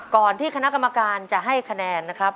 ก่อนที่คณะกรรมการจะให้คะแนนนะครับ